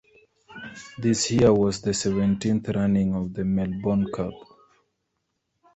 This year was the seventeenth running of the Melbourne Cup.